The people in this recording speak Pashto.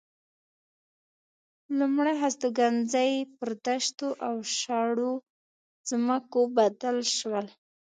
لومړ هستوګنځي پر دښتو او شاړو ځمکو بدل شول.